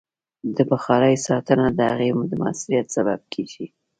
د بخارۍ ساتنه د هغې د مؤثریت سبب کېږي.